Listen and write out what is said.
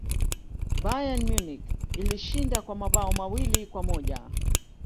bayern munich ilishinda kwa mabao mawili kwa moja